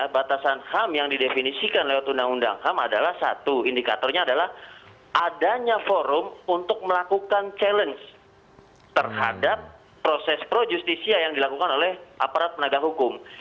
batasan ham yang didefinisikan lewat undang undang ham adalah satu indikatornya adalah adanya forum untuk melakukan challenge terhadap proses pro justisia yang dilakukan oleh aparat penegak hukum